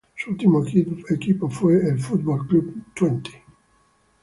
Su último equipo fue el Football Club Twente.